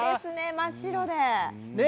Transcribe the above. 真っ白で。